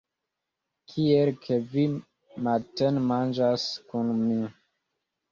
Kiel, ke vi matenmanĝas kun mi?